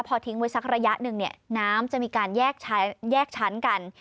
พอทิ้งไว้สักระยะหนึ่งเนี่ยน้ำจะมีการแยกชั้นกัน